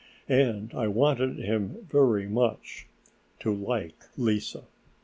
And I wanted him very much to like Lise.